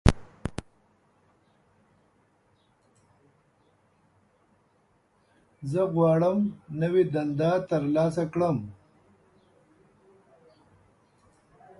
زه غواړم نوې دنده ترلاسه کړم.